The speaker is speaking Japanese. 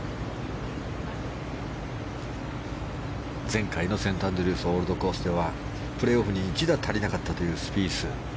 前回のセントアンドリュースオールドコースではプレーオフに１打足りなかったスピース。